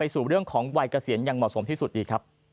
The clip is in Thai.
สู่เรื่องของวัยเกษียณอย่างเหมาะสมที่สุดดีครับ